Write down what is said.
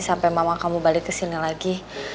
sampai mama kamu balik kesini lagi